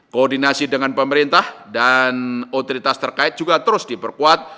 koordinasi dengan pemerintah dan otoritas terkait juga terus diperkuat